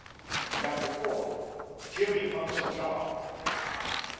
CHAPTER IV. JIMMY HUNTS A JOB.